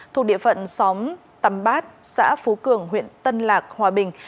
thuộc địa phận xóm tầm bát xã phú cường huyện tân lạc hòa bình